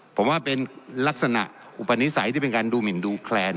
ผมว่าเป็นลักษณะอุปนิสัยที่เป็นการดูหมินดูแคลน